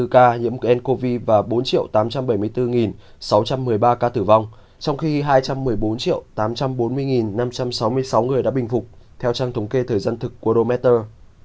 ba ba trăm hai mươi bốn ca nhiễm ncov và bốn tám trăm bảy mươi bốn sáu trăm một mươi ba ca tử vong trong khi hai trăm một mươi bốn tám trăm bốn mươi năm trăm sáu mươi sáu người đã bình phục theo trang thống kê thời gian thực quarometer